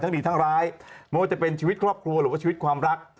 ดีทั้งร้ายไม่ว่าจะเป็นชีวิตครอบครัวหรือว่าชีวิตความรัก